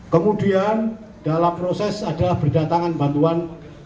kemudian dalam proses adalah berdatangan bantuan